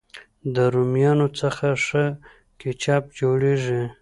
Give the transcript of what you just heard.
د رومیانو څخه ښه کېچپ جوړېږي.